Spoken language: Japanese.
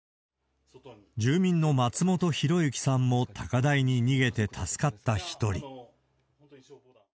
住民の松本宏之さんも高台に逃げて助かった一人。